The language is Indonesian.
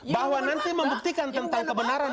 bahwa nanti membuktikan tentang kebenaran